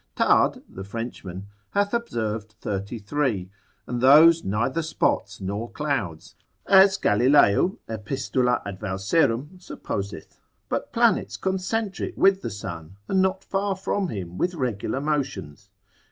Tarde, the Frenchman, hath observed thirty three, and those neither spots nor clouds, as Galileo, Epist. ad Valserum, supposeth, but planets concentric with the sun, and not far from him with regular motions.